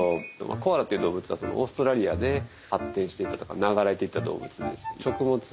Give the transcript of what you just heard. コアラっていう動物はオーストラリアで発展していったというか流れていった動物です。